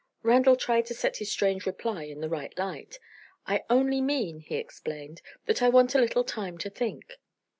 Randal tried to set his strange reply in the right light. "I only mean," he explained, "that I want a little time to think."